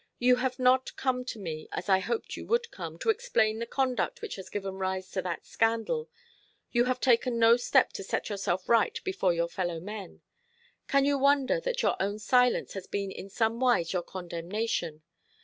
You have not come to me, as I hoped you would come, to explain the conduct which has given rise to that scandal. You have taken no step to set yourself right before your fellow men. Can you wonder that your own silence has been in somewise your condemnation?